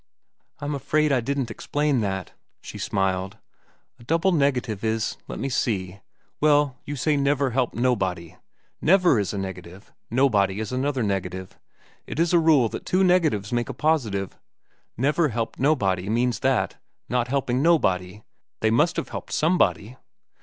"I'm afraid I didn't explain that," she smiled. "A double negative is—let me see—well, you say, 'never helped nobody.' 'Never' is a negative. 'Nobody' is another negative. It is a rule that two negatives make a positive. 'Never helped nobody' means that, not helping nobody, they must have helped somebody."